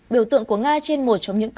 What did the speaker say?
biểu tượng của nga trên một trong những cờ